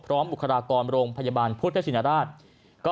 ลงกระปราคมโรงพยาบาลพฤชินราช